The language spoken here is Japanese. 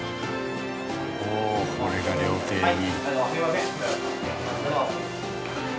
おおーっこれが料亭に。